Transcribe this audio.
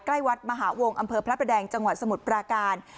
ใกล้วัดมหาวงศ์อำเภอพระประแดงจังหวัดสมุทรปราการ